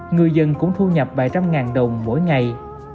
người dân cũng thu nhập vài trăm ngàn đồng mỗi ngày